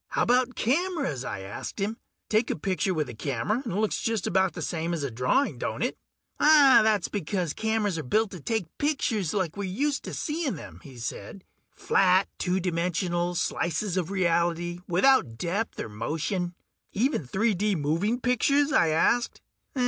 "How about cameras?" I asked him. "Take a picture with a camera and it looks just about the same as a drawing, don't it?" "That's because cameras are built to take pictures like we're used to seeing them," he said. "Flat, two dimensional slices of reality, without depth or motion." "Even 3 D moving pictures?" I asked.